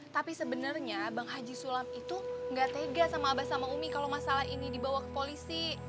tapi sebenarnya bang haji sulam itu nggak tega sama abah sama umi kalau masalah ini dibawa ke polisi